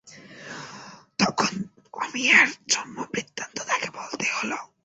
তখন অমিয়ার জন্মবৃত্তান্ত তাকে বলতে হল।